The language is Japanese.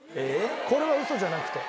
これはウソじゃなくて。